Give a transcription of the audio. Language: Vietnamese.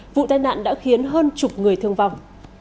vụ tai nạn đã khiến hơn chục người thương vong